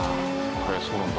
へえそうなんだ。